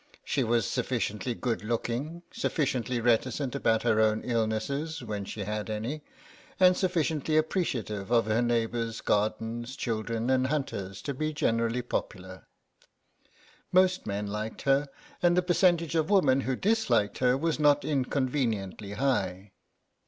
She was just sufficiently good looking, sufficiently reticent about her own illnesses, when she had any, and sufficiently appreciative of her neighbours' gardens, children and hunters to be generally popular. Most men liked her, and the percentage of women who disliked her was not inconveniently high.